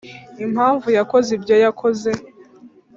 impamvu yakoze ibyo yakoze.